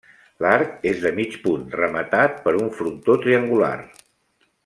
L'arc és de mig punt, rematat per un frontó triangular.